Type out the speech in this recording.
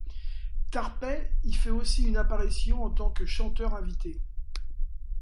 Tarpey y fait aussi une apparition en tant que chanteur invité.